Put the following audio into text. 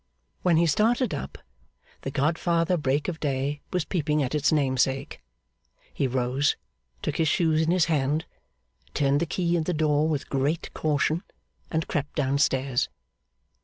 When he started up, the Godfather Break of Day was peeping at its namesake. He rose, took his shoes in his hand, turned the key in the door with great caution, and crept downstairs.